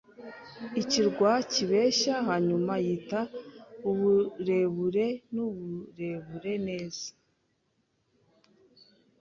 ikirwa kibeshya - ”Hanyuma yita uburebure n'uburebure neza.